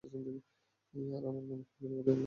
আর আমার মনে হয়, আমরা এগুলো বেচতে পারব।